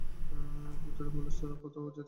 Peter ambulance ছাড়া কোথাও যেতে পারবে না!